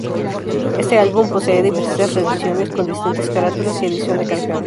Este álbum posee diversas reediciones, con distintas carátulas y adición de canciones.